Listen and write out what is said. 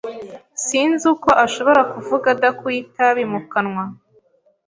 Sinzi uko ashobora kuvuga adakuye itabi mu kanwa.